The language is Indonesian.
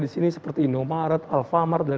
seperti di indonesia seperti